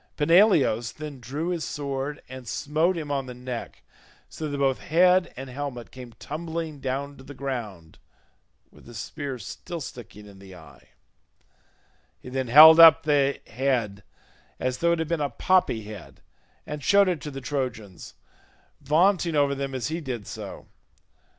Peneleos then drew his sword and smote him on the neck, so that both head and helmet came tumbling down to the ground with the spear still sticking in the eye; he then held up the head, as though it had been a poppy head, and showed it to the Trojans, vaunting over them as he did so.